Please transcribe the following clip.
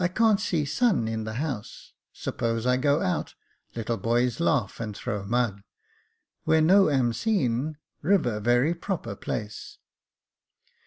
" Can't see sun in the house ; suppose I go out, little boys laugh and throw mud. Where no am seen, river very proper place."